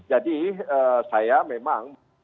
jadi saya memang